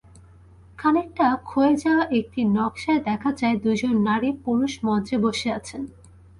খানিকটা ক্ষয়ে যাওয়া একটি নকশায় দেখা যায়, দুজন নারী-পুরুষ মঞ্চে বসে আছেন।